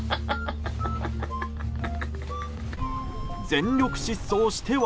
全力疾走しては。